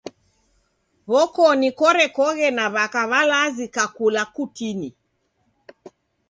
W'okoni korekoghe na w'aka w'alazi kakula kutini.